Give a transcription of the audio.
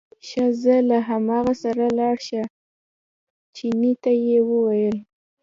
ښه ځه له هماغه سره لاړ شه، چیني ته یې وویل.